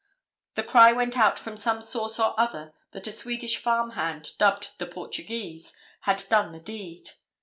The cry went out from some source or other that a Swedish farm hand, dubbed "the Portuguese," had done the deed.